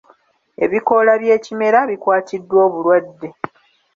Ebikoola by'ekimera bikwatiddwa obulwadde.